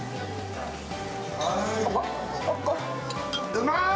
うまい！